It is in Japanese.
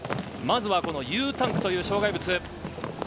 まずはＵタンクという障害物。